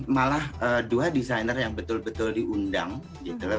malah dua desainer yang betul betul diundang gitu loh